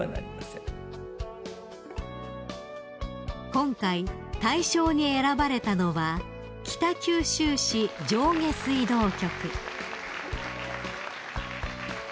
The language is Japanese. ［今回大賞に選ばれたのは北九州市上下水道局］